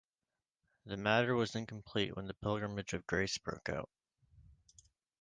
The matter was incomplete when the Pilgrimage of Grace broke out.